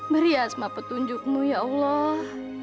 beri asma petunjukmu ya allah